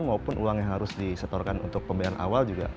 maupun uang yang harus disetorkan untuk pembayaran awal juga